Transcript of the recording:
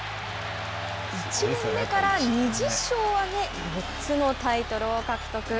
１年目から２０勝を挙げ４つのタイトルを獲得。